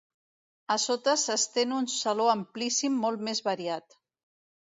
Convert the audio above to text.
A sota s'estén un saló amplíssim molt més variat.